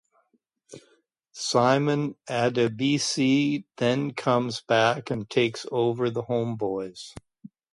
Simon Adebisi then comes back and takes over the Homeboys.